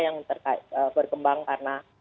yang berkembang karena